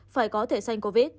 phải có thẻ xanh covid